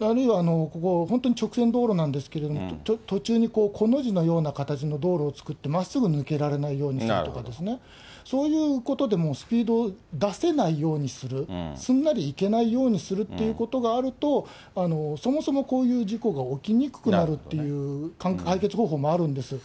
あるいは本当に直線道路なんですけれども、途中にコの字のような形の道路を作ってまっすぐ抜けられないようにするとか、そういうことでもうスピードを出せないようにする、すんなり行けないようにするっていうことがあると、そもそもこういう事故が起きにくくなるっていう解決方法もあるんです。